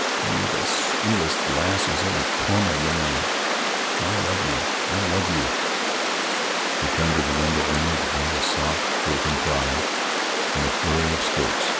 Ah! you're the sweetest lass as ever tormented a man, an' I love you, I love you!" He turned to the window only to hear a soft, broken cry, and a flurry of skirts.